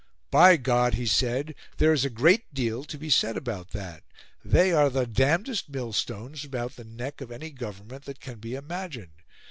"By God!" he said, "there is a great deal to be said about that. They are the damnedest millstones about the necks of any Government that can be imagined.